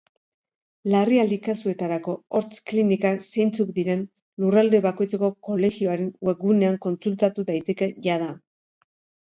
Larrialdi kasuetarako hortz klinikak zeintzuk diren lurralde bakoitzeko kolegioaren webgunean kontsultatu daiteke jada.